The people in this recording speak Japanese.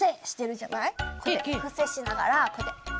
こうやってふせしながらこうやって。